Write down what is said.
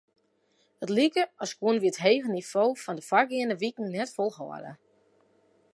It like as koene wy it hege nivo fan de foargeande wiken net folhâlde.